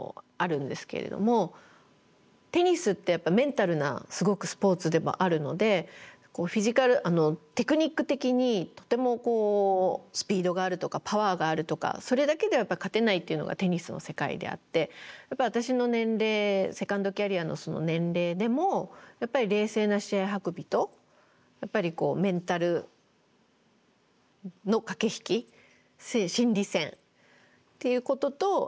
テニスってやっぱメンタルなすごくスポーツでもあるのでテクニック的にとてもスピードがあるとかパワーがあるとかそれだけでは勝てないっていうのがテニスの世界であってやっぱり私の年齢セカンドキャリアのその年齢でも冷静な試合運びとやっぱりメンタルの駆け引き心理戦っていうことと戦略